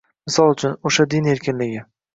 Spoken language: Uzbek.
Misol uchun, o‘sha din erkinligi.